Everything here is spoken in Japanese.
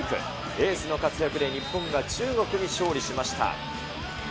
エースの活躍で日本が中国に勝利しました。